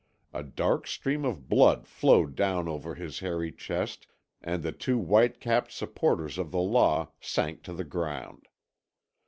A dark stream of blood flowed down over his hairy chest, and the two white capped supporters of the law sank to the ground.